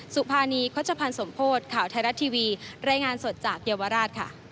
สุภานีคสมโพธข่าวไทยรัตน์ทีวีรายงานสดจากเยาวราชค่ะ